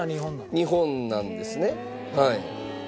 日本なんですねはい。